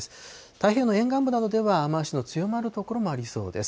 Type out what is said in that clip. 太平洋の沿岸部では、雨足の強まる所もありそうです。